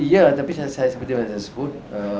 iya tapi seperti yang saya sebut